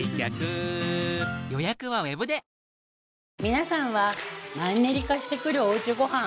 皆さんは「マンネリ化してくるおうちごはん」